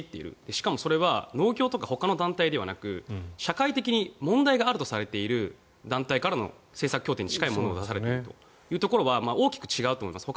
しかもそれは農協とかほかの団体ではなく社会的に問題があるとされている団体からの政策協定に近いものが出されているというところは大きく違うと思っています。